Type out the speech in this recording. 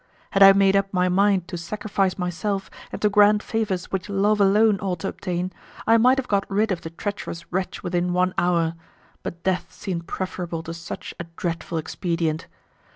Had I made up my mind to sacrifice myself and to grant favours which love alone ought to obtain, I might have got rid of the treacherous wretch within one hour, but death seemed preferable to such a dreadful expedient.